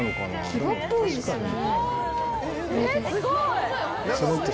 牙っぽいですよね。